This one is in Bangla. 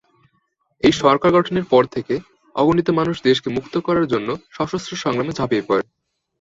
এই সরকার গঠনের পর থেকে অগণিত মানুষ দেশকে মুক্ত করার জন্য সশস্ত্র সংগ্রামে ঝাঁপিয়ে পড়ে।